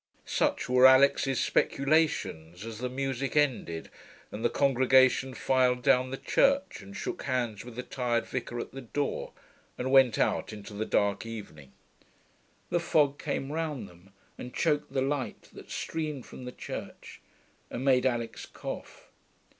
Such were Alix's speculations as the music ended and the congregation filed down the church and shook hands with the tired vicar at the door and went out into the dark evening. The fog came round them and choked the light that streamed from the church, and made Alix cough.